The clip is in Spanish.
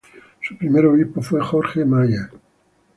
Su primer obispo fue Jorge Mayer.